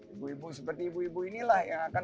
ibu ibu seperti ibu ibu inilah yang akan